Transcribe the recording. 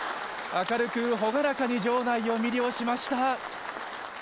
明るく朗らかに場内を魅了しました。